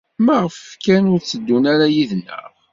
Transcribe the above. Maɣef kan ur tteddunt ara yid-neɣ?